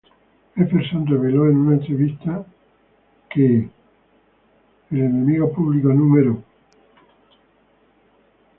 Ellefson reveló en una entrevista que "Public Enemy No.